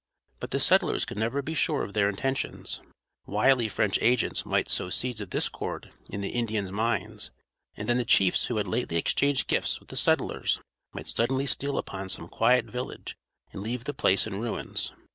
But the settlers could never be sure of their intentions. Wily French agents might sow seeds of discord in the Indians' minds, and then the chiefs who had lately exchanged gifts with the settlers might suddenly steal upon some quiet village and leave the place in ruins.